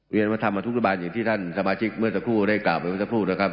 เรียนวัฒนธรรมทุกธุบาลอย่างที่ท่านสมาชิกเมื่อสักครู่ได้กล่าวไปว่าจะพูดนะครับ